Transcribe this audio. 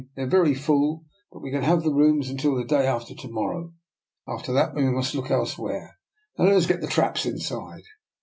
" They're very full, but we can have the rooms until the day after to morrow. After that we must look elsewhere. Now let us get the traps inside."